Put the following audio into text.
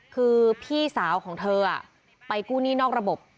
คือพี่สาวของเธอไปกู้หนี้นอกระบบ